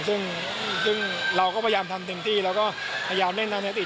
ซึ่งซึ่งเราก็พยายามทำจึงที่เราก็พยายามเล่นทางในสิ่ง